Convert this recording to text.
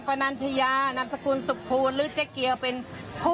ครับอันนี้นะครับขอรับอันนี้เลย